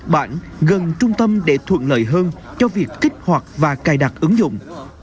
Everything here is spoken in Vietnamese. bạn gần trung tâm để thuận lợi hơn cho việc kích hoạt và cài đặt ứng dụng